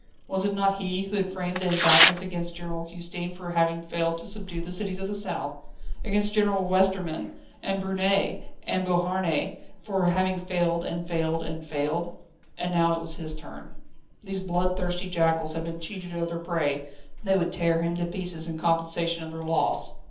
Was it not he who had framed the indictments against General Custine for having failed to subdue the cities of the south? against General Westerman and Brunet and Beauharnais for having failed and failed and failed? And now it was his turn. These bloodthirsty jackals had been cheated of their prey; they would tear him to pieces in compensation of their loss.